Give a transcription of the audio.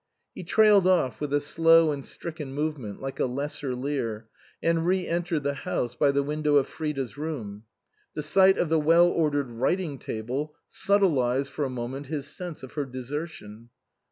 He trailed off with a slow and stricken move ment, like a lesser Lear, and re entered the house by the window of Frida's room. The sight of the well ordered writing table subtilised for a moment his sense of her desertion.